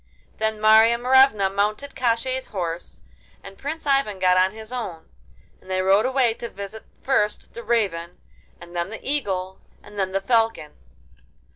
Then Marya Morevna mounted Koshchei's horse and Prince Ivan got on his own, and they rode away to visit first the Raven, and then the Eagle, and then the Falcon.